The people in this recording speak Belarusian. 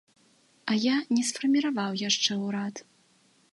А я не сфарміраваў яшчэ ўрад.